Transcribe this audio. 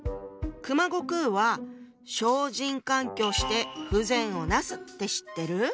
熊悟空は「小人閑居して不善をなす」って知ってる？